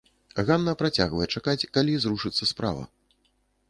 Ганна працягвае чакаць, калі зрушыцца справа.